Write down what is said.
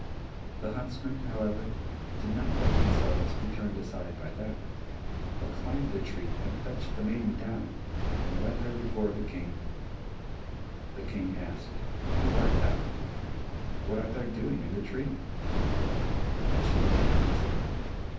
The huntsmen, however, did not let themselves be turned aside by that, but climbed the tree and fetched the maiden down and led her before the King. The King asked, "Who art thou? What art thou doing on the tree?" But she did not answer.